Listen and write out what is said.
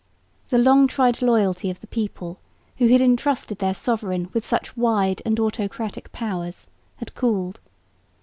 The long tried loyalty of the people, who had entrusted their sovereign with such wide and autocratic powers, had cooled.